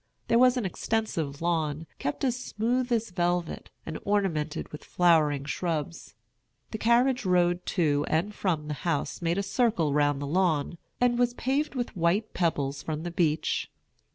There was an extensive lawn, kept as smooth as velvet, and ornamented with flowering shrubs. The carriage road to and from the house made a circle round the lawn, and was paved with white pebbles from the beach.